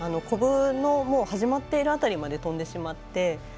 コブの始まっている辺りまで飛んでしまって。